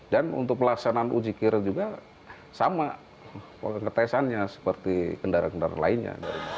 untuk pelaksanaan ujikir juga sama pengetesannya seperti kendaraan kendaraan lainnya